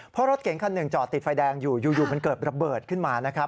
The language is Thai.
เพราะรถเก๋งคันหนึ่งจอดติดไฟแดงอยู่อยู่มันเกิดระเบิดขึ้นมานะครับ